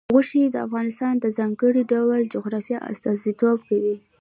غوښې د افغانستان د ځانګړي ډول جغرافیه استازیتوب کوي.